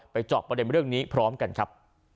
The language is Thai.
เจาะประเด็นเรื่องนี้พร้อมกันครับ